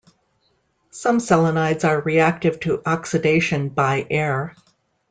Some selenides are reactive to oxidation by air.